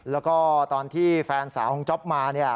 แล้วก็ตอนที่แฟนสาวของจ๊อปมาเนี่ย